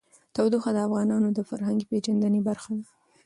تودوخه د افغانانو د فرهنګي پیژندنې برخه ده.